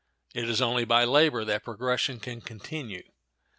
It is only by labor that progression can continue.